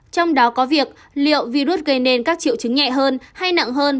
trong đó có việc liệu virus gây nên các triệu chứng nhẹ hơn hay nặng hơn